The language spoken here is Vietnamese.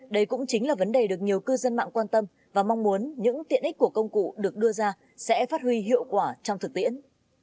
đây cũng chính là vấn đề được nhiều cư dân mạng quan tâm và mong muốn những tiện ích của công cụ được đưa ra sẽ phát huy hiệu quả trong thực tiễn